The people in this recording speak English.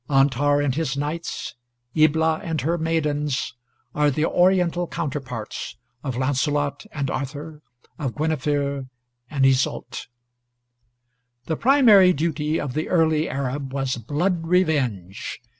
Antar and his knights, Ibla and her maidens, are the Oriental counterparts of Launcelot and Arthur, of Guinevere and Iseult. The primary duty of the early Arab was blood revenge.